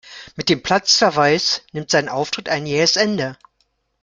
Mit dem Platzverweis nimmt sein Auftritt ein jähes Ende.